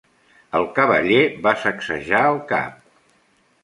El cavaller va sacsejar el cap.